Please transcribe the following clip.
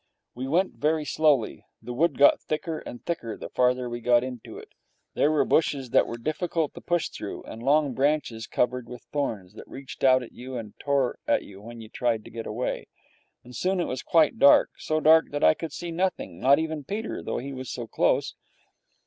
We went very slowly. The wood got thicker and thicker the farther we got into it. There were bushes that were difficult to push through, and long branches, covered with thorns, that reached out at you and tore at you when you tried to get away. And soon it was quite dark, so dark that I could see nothing, not even Peter, though he was so close.